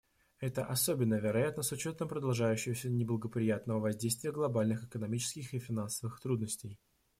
Это особенно вероятно с учетом продолжающегося неблагоприятного воздействия глобальных экономических и финансовых трудностей.